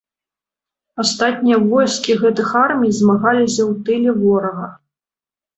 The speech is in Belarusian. Астатнія войскі гэтых армій змагаліся ў тыле ворага.